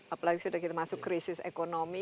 apalagi sudah kita masuk krisis ekonomi